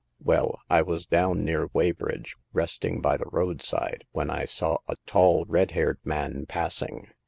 Well, I was down near Weybridge, rest ing by the roadside, when I saw a tall red haired man passing.